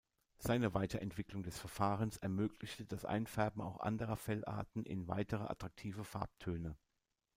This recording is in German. Seine Weiterentwicklung des Verfahrens ermöglichte das Einfärben auch anderer Fellarten in weitere attraktive Farbtöne.